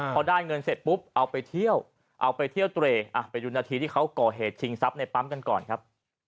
พอได้เงินเสร็จปุ๊บเอาไปเที่ยวเอาไปเที่ยวตัวเองไปดูนาทีที่เขาก่อเหตุชิงทรัพย์ในปั๊มกันก่อนครับ